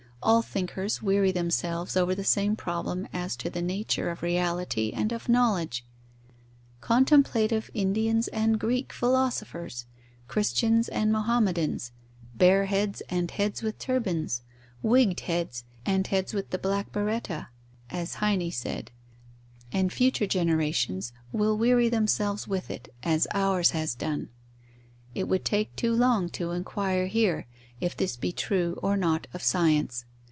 All thinkers weary themselves over the same problem as to the nature of reality and of knowledge: contemplative Indians and Greek philosophers, Christians and Mohammedans, bare heads and heads with turbans, wigged heads and heads with the black berretta (as Heine said); and future generations will weary themselves with it, as ours has done. It would take too long to inquire here if this be true or not of science.